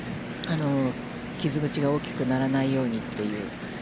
傷口が大きくならないようにという。